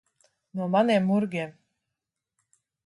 No maniem murgiem.